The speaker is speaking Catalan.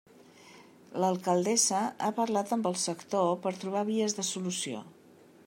L'alcaldessa ha parlat amb el sector per trobar vies de solució.